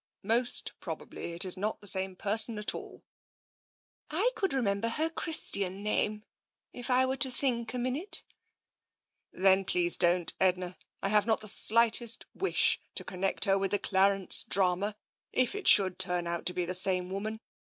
" Most probably it is not the same person at all." " I could remember her Christian name, if I were to think a minute. ..."" Then please don't, Edna. I have not the slightest TENSION II wish to connect her with the Clarence drama, if it should turn out to be the same woman.